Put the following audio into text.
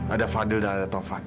ada fadil dan ada tovan